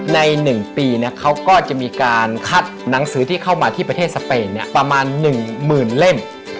ใน๑ปีเขาก็จะมีการคัดหนังสือที่เข้ามาที่ประเทศสเปนประมาณ๑หมื่นเล่ม